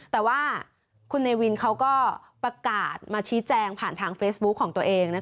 แต่ว่าคุณเนวินเขาก็ประกาศมาชี้แจงผ่านทางเฟซบุ๊คของตัวเอง